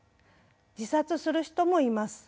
自殺する人もいます。